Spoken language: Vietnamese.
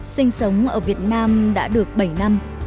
sinh sống ở việt nam đã được bảy năm